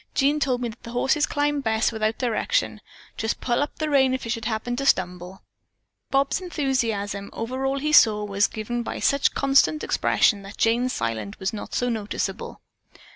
"Jean told me that the horses climb best without direction. Just pull up on the rein if it should happen to stumble." Bob's enthusiasm over all he saw was given such constant expression that Jane's silence was not so noticeable.